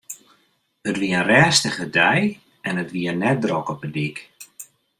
It wie in rêstige dei en it wie net drok op 'e dyk.